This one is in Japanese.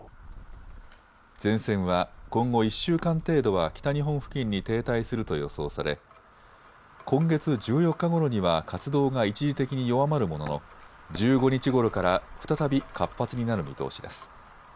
前線は今後１週間程度は北日本付近に停滞すると予想され今月１４日ごろには活動が一時的に弱まるものの１５日ごろから再び活発になる見通しです。